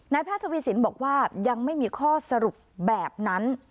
แพทย์ทวีสินบอกว่ายังไม่มีข้อสรุปแบบนั้น